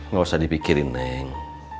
gak usah dipikirin neng